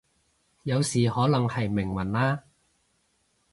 有時可能係命運啦